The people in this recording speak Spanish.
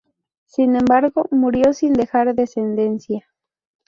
Sin embargo, murió sin dejar descendencia.